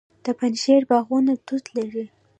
د پنجشیر باغونه توت لري.